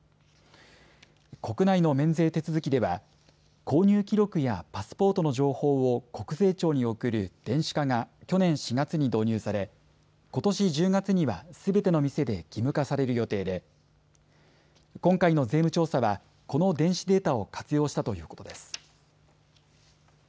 国内の免税手続きでは購入記録やパスポートの情報を国税庁に送る電子化が去年４月に導入され、ことし１０月にはすべての店で義務化される予定で今回の税務調査はこの電子データを活用したということです。